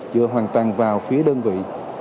dựa hoàn toàn vào phía đơn vị